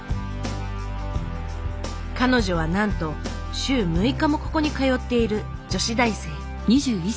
彼女はなんと週６日もここに通っている女子大生。